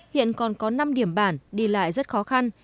hiện còn có năm điểm bản đi lại rất khó khăn